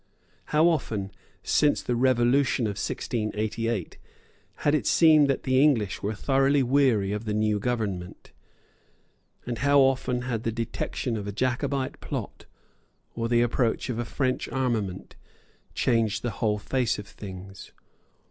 How often, since the Revolution of 1688, had it seemed that the English were thoroughly weary of the new government. And how often had the detection of a Jacobite plot, or the approach of a French armament, changed the whole face of things.